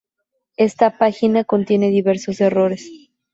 Esta página contiene diversos errores.